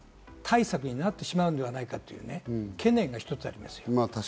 対策になってしまうんではないかという懸念が一つあります。